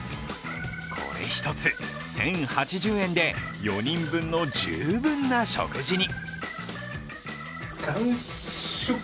これ１つ１０８０円で、４人分の十分な食事に。